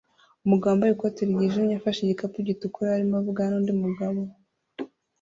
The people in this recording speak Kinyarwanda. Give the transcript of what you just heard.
Umugabo wambaye ikoti ryijimye afashe igikapu gitukura arimo avugana nundi mugabo